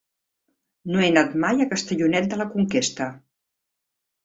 No he anat mai a Castellonet de la Conquesta.